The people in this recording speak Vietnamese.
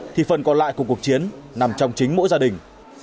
thì phần còn lại của cuộc chiến nằm trong chính mỗi gia đình